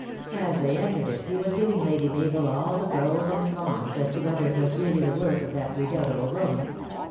As they entered it he was giving Lady Mabel all the pros and cons, as to whether it was really the work of that redoubtable Roman.